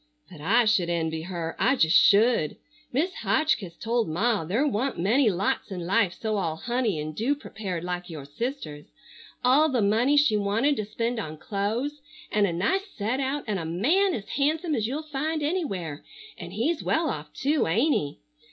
"But I should envy her, I just should. Mis' Hotchkiss told Ma there wa'nt many lots in life so all honey and dew prepared like your sister's. All the money she wanted to spend on clo'es, and a nice set out, and a man as handsome as you'll find anywhere, and he's well off too, ain't he?